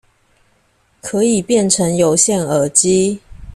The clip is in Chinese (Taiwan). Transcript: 可以變成有線耳機